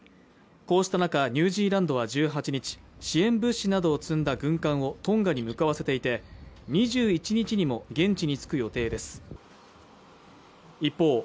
こうした中ニュージーランドは１８日支援物資などを積んだ軍艦をトンガに向かわせていて２１日にも現地に着く予定です一方